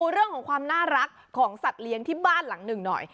เรื่องของความน่ารักของสัตว์เลี้ยงที่บ้านหลังหนึ่งหน่อย